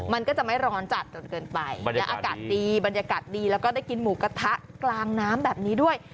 มันก็จะไม่ร้อนจัดจนเกินไปและอากาศดีบรรยากาศดีแล้วก็ได้กินหมูกระทะกลางน้ำแบบนี้ด้วย